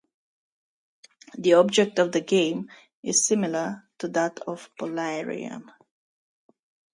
The object of the game is similar to that of "Polarium".